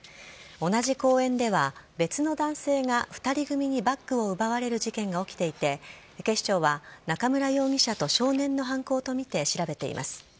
同じ公園では別の男性が２人組にバッグを奪われる事件が起きていて警視庁は中村容疑者と少年の犯行とみて調べています。